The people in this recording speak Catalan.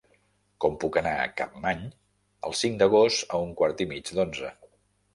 Com puc anar a Capmany el cinc d'agost a un quart i mig d'onze?